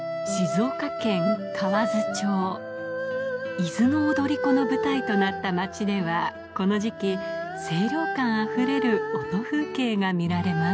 『伊豆の踊子』の舞台となった町ではこの時期清涼感あふれる音風景が見られます